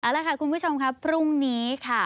แล้วค่ะคุณผู้ชมครับพรุ่งนี้ค่ะ